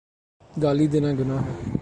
گالی دینا گناہ ہے۔